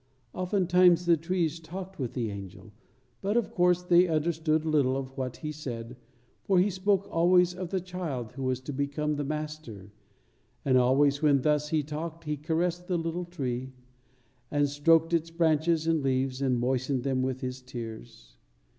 Oftentimes the trees talked with the angel; but of course they understood little of what he said, for he spoke always of the Child who was to become the Master; and always when thus he talked, he caressed the little tree, and stroked its branches and leaves, and moistened them with his tears.